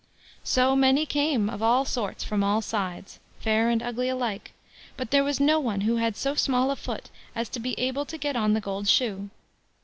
So many came of all sorts from all sides, fair and ugly alike; but there was no one who had so small a foot as to be able to get on the gold shoe.